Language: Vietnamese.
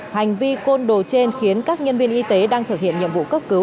hành vi côn đồ trên khiến các nhân viên y tế đang thực hiện nhiệm vụ cấp cứu